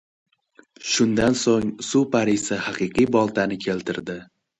Shundan soʻng suv parisi haqiqiy boltani keltirdi.